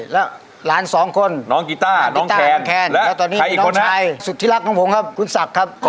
และหลานสองคนน้องฮิต่านครับ